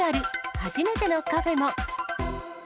初めてのカフェも。